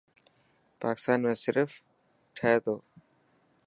پاڪستان ۾ صرف ٺهي تو.